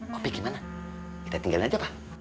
kopi gimana kita tinggalin aja pak